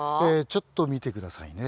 ちょっと見て下さいね。